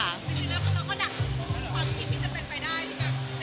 แล้วเราก็ดักทุกอย่างแล้วความคิดว่าจะเป็นไปได้